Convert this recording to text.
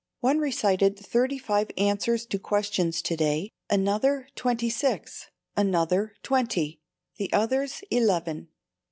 One recited thirty five answers to questions to day, another twenty six, another twenty, the others eleven.